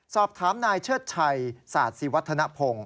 สอบถามนายเชืทชัยศาสีวัฒนภง